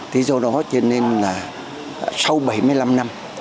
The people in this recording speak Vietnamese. thì do đó sau bảy mươi năm năm